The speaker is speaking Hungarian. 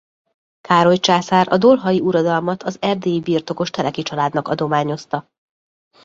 Károly császár a dolhai uradalmat az erdélyi birtokos Teleki családnak adományozta.